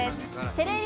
テレビ